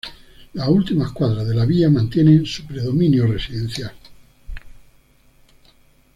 Las últimas cuadras de la vía mantienen su predominio residencial.